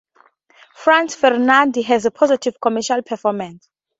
"Franz Ferdinand" had a positive commercial performance.